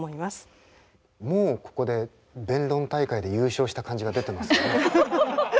もうここで弁論大会で優勝した感じが出てますね。